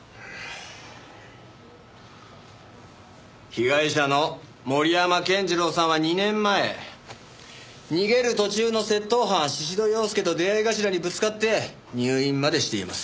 被害者の森山健次郎さんは２年前逃げる途中の窃盗犯宍戸洋介と出合い頭にぶつかって入院までしています。